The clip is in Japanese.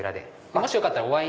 もしよかったらお会い。